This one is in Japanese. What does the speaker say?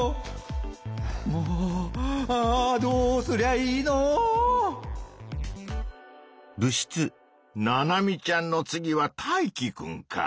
もうあどうすりゃいいの⁉ナナミちゃんの次はタイキくんか。